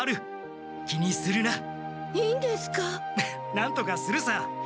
なんとかするさ！